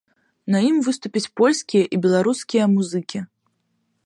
На ім выступяць польскія і беларускія музыкі.